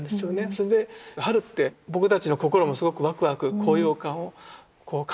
それで春って僕たちの心もすごくワクワク高揚感をこう感じて。